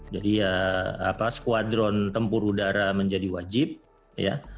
jadi ya apa skuadron tempur udara menjadi wajib ya